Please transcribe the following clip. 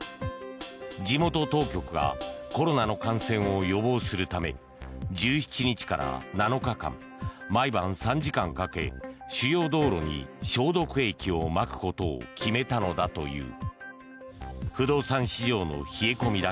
地元当局がコロナの感染を予防するために１７日から７日間毎晩３時間かけ主要道路に消毒液をまくことを決めたのだという。